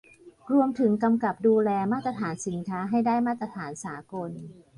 รวมถึงกำกับดูแลมาตรฐานสินค้าให้ได้มาตรฐานสากล